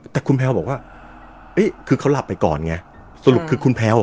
แต่คุณแพลวบอกว่าเอ้ยคือเขาหลับไปก่อนไงสรุปคือคุณแพลวอ่ะ